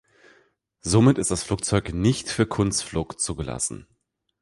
Somit ist das Flugzeug nicht für Kunstflug zugelassen.